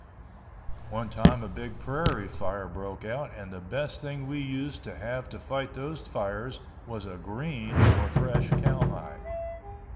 One time a big prairie fire broke out and the best thing we used to have to fight those fires was a "green" or fresh cowhide.